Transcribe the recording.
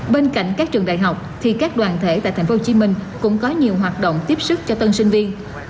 bên cạnh các trường đại học thì các đoàn thể tại tp hcm cũng có nhiều hoạt động tiếp sức cho tân sinh viên